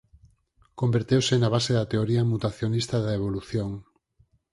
Converteuse na base da teoría mutacionista da evolución.